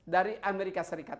dari amerika serikat